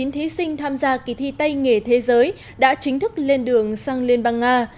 một mươi chín thí sinh tham gia kỳ thi tây nghề thế giới đã chính thức lên đường sang liên bang nga